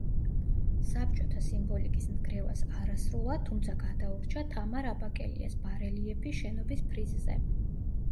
საბჭოთა სიმბოლიკის ნგრევას არასრულად, თუმცა გადაურჩა თამარ აბაკელიას ბარელიეფი შენობის ფრიზზე.